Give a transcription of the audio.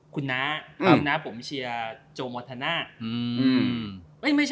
คุณนะผมเชียร์โจมทนา